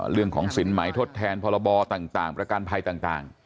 เรื่องของสินหมายทดแทนพรบต่างประกันภัยต่าง